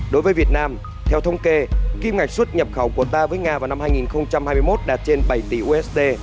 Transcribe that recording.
đối với việt nam theo thông kê kim ngạch xuất nhập khẩu của ta với nga vào năm hai nghìn hai mươi một đạt trên bảy tỷ usd